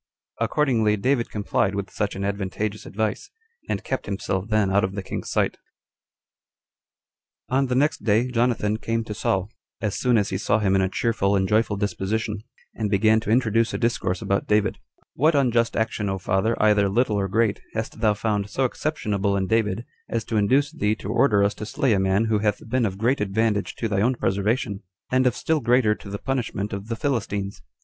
Accordingly David complied with such an advantageous advice, and kept himself then out of the king's sight. 2. On the next day Jonathan came to Saul, as soon as he saw him in a cheerful and joyful disposition, and began to introduce a discourse about David: "What unjust action, O father, either little or great, hast thou found so exceptionable in David, as to induce thee to order us to slay a man who hath been of great advantage to thy own preservation, and of still greater to the punishment of the Philistines?